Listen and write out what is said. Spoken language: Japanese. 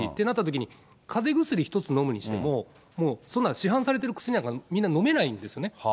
なったときに、かぜ薬一つ飲むにしても、もうそんな市販されてる薬なんか、みんな飲めないんですよね。